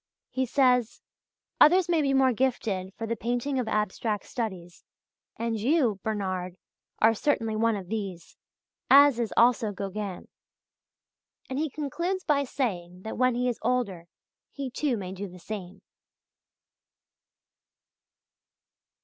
He says: "Others may be more gifted for the painting of abstract studies, and you [Bernard] are certainly one of these, as is also Gauguin." And he concludes by saying that when he is older he too may do the same.